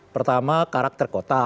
pertama karakter kota